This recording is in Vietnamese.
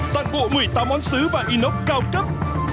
toàn bộ một mươi tám món xứ và inox cao cấp